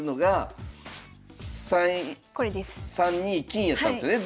金やったんですよね